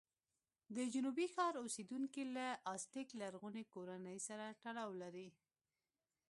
د جنوبي ښار اوسېدونکي له ازتېک لرغونې کورنۍ سره تړاو لري.